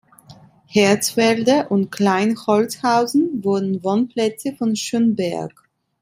Herzfelde und Klein Holzhausen wurden Wohnplätze von Schönberg.